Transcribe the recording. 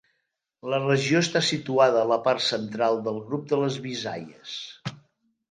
La regió està situada a la part central del grup de les Visayas.